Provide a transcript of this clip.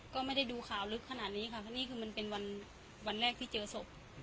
ก็ไม่ได้ดูข่าวลึกขนาดนี้ค่ะเพราะนี่คือมันเป็นวันวันแรกที่เจอศพ